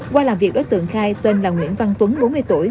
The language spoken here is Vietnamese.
qua làm việc đối tượng khai tên là nguyễn văn tuấn bốn mươi tuổi